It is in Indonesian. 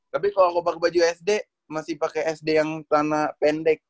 tapi kalo aku pake baju sd masih pake sd yang sana pendek